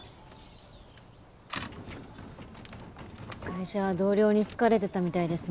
ガイ者は同僚に好かれてたみたいですね。